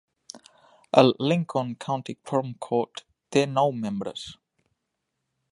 El Lincoln County Quorum Court té nou membres.